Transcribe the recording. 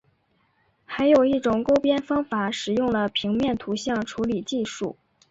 还有一种勾边方法使用了平面图像处理技术。